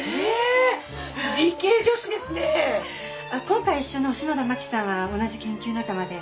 今回一緒の篠田真希さんは同じ研究仲間で